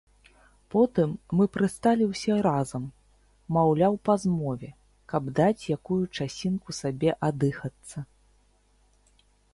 Потым мы прысталі ўсе разам, маўляў па змове, каб даць якую часінку сабе аддыхацца.